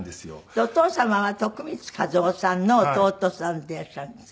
お父様は徳光和夫さんの弟さんでいらっしゃるんですね。